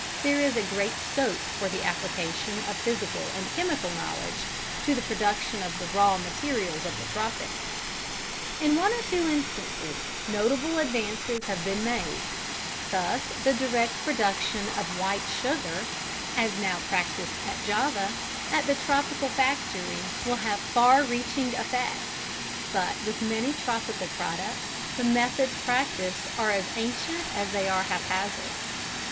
There is great scope for the application of physical and chemical knowledge to the production of the raw materials of the tropics. In one or two instances notable advances have been made, thus the direct production of a white sugar (as now practised at Java) at the tropical factory will have far reaching effects, but with many tropical products the methods practised are as ancient as they are haphazard.